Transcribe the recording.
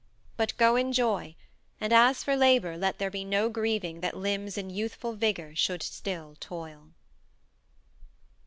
BUT GO IN JOY, AND AS FOR LABOR LET THERE BE NO GRIEVING THAT LIMBS IN YOUTHFUL VIGOR SHOULD STILL TOIL.